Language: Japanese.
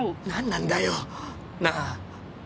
何なんだよなあ？